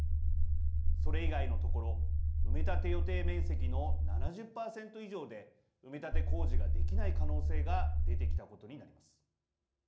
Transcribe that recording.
それ以外の所埋め立て予定面積の７０％以上で埋め立て工事ができない可能性が出てきたことになります。